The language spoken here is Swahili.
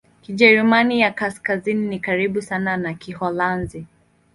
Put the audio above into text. Kijerumani ya Kaskazini ni karibu sana na Kiholanzi.